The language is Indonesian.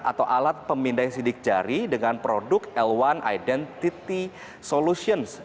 atau alat pemindai sidik jari dengan produk l satu identity solutions